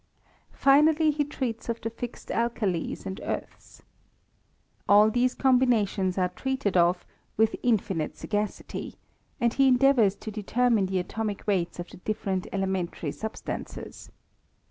Finally he treats of the fixed alkalies and earths. All these combinations are treated of with infinite sagacity; and he endea vours to determine the atomic weights of the dif ferent elementary substances.